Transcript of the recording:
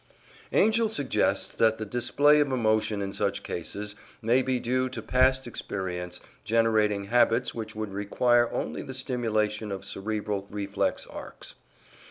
Angell suggests that the display of emotion in such cases may be due to past experience, generating habits which would require only the stimulation of cerebral reflex arcs.